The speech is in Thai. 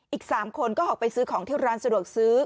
อีก๓คนก็ออกไปซื้อของที่ร้านสะดวกซื้อ